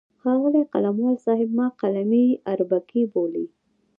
ښاغلی قلموال صاحب ما قلمي اربکی بولي.